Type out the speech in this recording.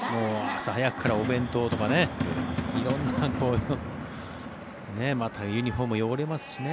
朝早くからお弁当とか色んなまた、ユニホーム汚れますしね。